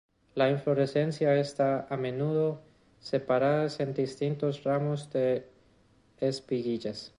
La inflorescencia está a menudo separadas en distintos ramos de espiguillas.